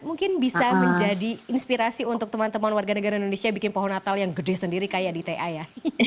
mungkin bisa menjadi inspirasi untuk teman teman warga negara indonesia bikin pohon natal yang gede sendiri kayak di ta ya